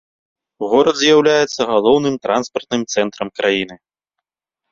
Горад з'яўляецца галоўным транспартным цэнтрам краіны.